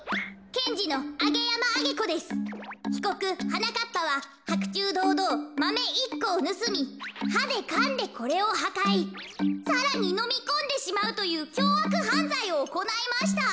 ひこくはなかっぱははくちゅうどうどうマメ１こをぬすみはでかんでこれをはかいさらにのみこんでしまうというきょうあくはんざいをおこないました。